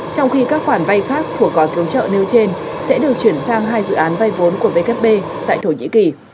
trong khi các khoản vay khác của gói cứu trợ nêu trên sẽ được chuyển sang hai dự án vay vốn của vkp tại thổ nhĩ kỳ